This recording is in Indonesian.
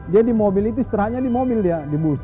dia di mobil itu istirahatnya di mobil dia di bus